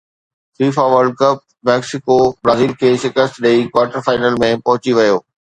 FIFA world cup Mexico Brazil کي شڪست ڏئي ڪوارٽر فائنل ۾ پهچي ويو